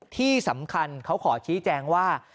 ที่สำคัญเขาขอชี้แจงว่า